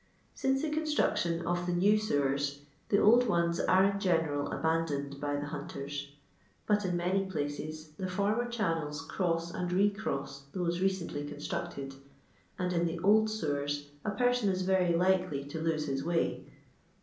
Since the construction of the new sewers, the old ones are in general aban doned by the *' hunters;" but in many places the fonner channels cross and re cross those recently con structed, and in the old sewers a person is very likely to lose his way.